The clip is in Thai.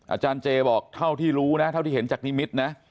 อาจารย์เจบอกเท่าที่รู้นะเท่าที่เห็นจากนิมิตรนะ